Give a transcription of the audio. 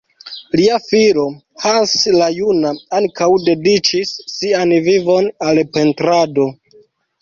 Lia filo, Hans la juna, ankaŭ dediĉis sian vivon al pentrado.